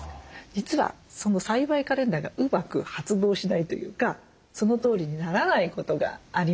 実はその栽培カレンダーがうまく発動しないというかその通りにならないことがありますよね。